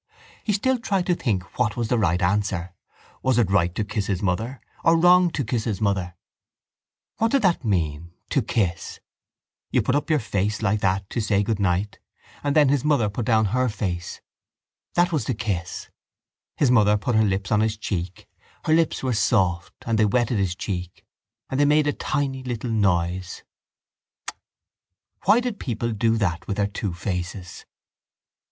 He still tried to think what was the right answer. Was it right to kiss his mother or wrong to kiss his mother? What did that mean, to kiss? You put your face up like that to say goodnight and then his mother put her face down. That was to kiss. His mother put her lips on his cheek; her lips were soft and they wetted his cheek; and they made a tiny little noise: kiss. Why did people do that with their two faces?